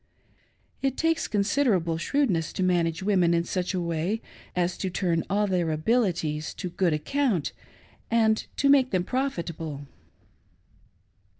It takes considerable shrewdness to manage women in such a way as to turn all their abilities to good account and to make them profitable.